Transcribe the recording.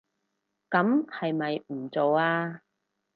噉係咪唔做吖